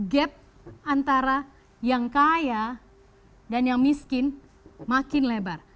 gap antara yang kaya dan yang miskin makin lebar